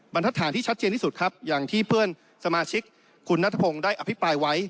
บรรทัศน์ที่ชัดเจนที่สุดครับอย่างที่เพื่อนสมาชิกคุณนัทพงศ์ได้อภิปรายไว้